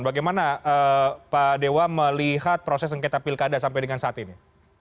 bagaimana pak dewa melihat proses sengketa pilkada sampai dengan saat ini